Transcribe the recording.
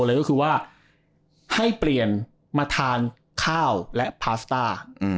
เลยก็คือว่าให้เปลี่ยนมาทานข้าวและพาสต้า